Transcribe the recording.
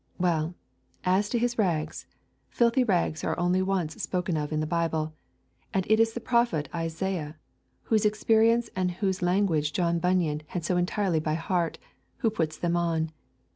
Well, as to his rags: filthy rags are only once spoken of in the Bible, and it is the prophet Isaiah, whose experience and whose language John Bunyan had so entirely by heart, who puts them on.